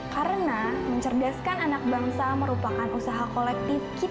karena mencerdaskan anak bangsa merupakan usaha kolektif kita sendiri